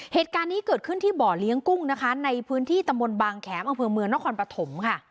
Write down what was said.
เหตุการณ์นี้เกิดขึ้นที่บ่อเลี้ยงกุ้งนะคะในพื้นที่ตำบลบางแขมอำเภอเมืองนครปฐมค่ะ